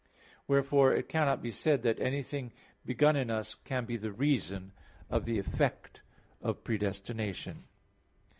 Wherefore it cannot be said that anything begun in us can be the reason of the effect of predestination.